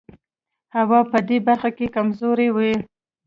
هوا په دې برخه کې کمزوری و.